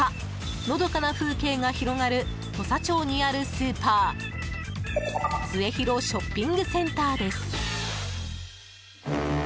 のどかな風景が広がる土佐町にあるスーパー末広ショッピングセンターです。